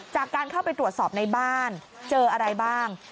จากการเข้าไปตรวจสอบในบ้านเจออะไรบ้าง